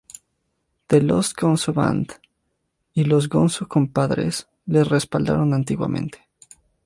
The Lost Gonzo Band y los Gonzo Compadres le respaldaron antiguamente.